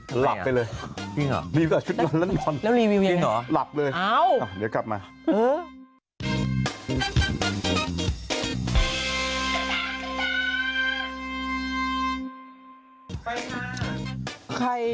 หลับไปเลยมีการชุดนอนนะคะรีวิวยังไงหลับเลยเดี๋ยวกลับมา